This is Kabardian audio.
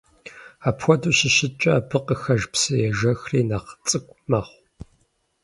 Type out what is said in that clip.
Апхуэдэу щыщыткӀэ, абы къыхэж псыежэххэри нэхъ цӀыкӀу мэхъу.